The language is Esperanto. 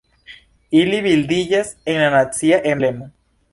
Ili bildiĝas en la nacia emblemo.